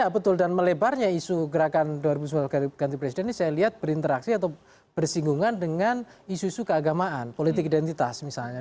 betul dan melebarnya isu gerakan dua ribu sembilan belas ganti presiden ini saya lihat berinteraksi atau bersinggungan dengan isu isu keagamaan politik identitas misalnya